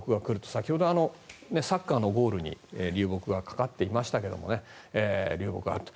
先ほど、サッカーのゴールに流木がかかっていましたけど流木があると。